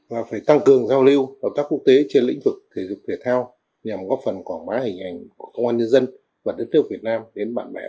và phải tăng cường giao lưu hợp tác quốc tế trên lĩnh vực thể dục thể thao nhằm góp phần quảng bá hình ảnh của công an nhân dân